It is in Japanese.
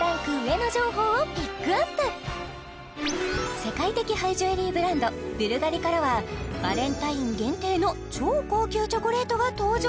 世界的ハイジュエリーブランドブルガリからはバレンタイン限定の超高級チョコレートが登場